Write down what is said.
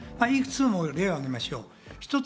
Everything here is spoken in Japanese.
いくつも例をあげましょう。